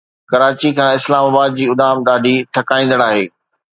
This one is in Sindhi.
ڪراچي کان اسلام آباد جي اڏام ڏاڍي ٿڪائيندڙ آهي